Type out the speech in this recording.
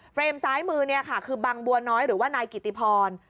รมซ้ายมือเนี่ยค่ะคือบังบัวน้อยหรือว่านายกิติพร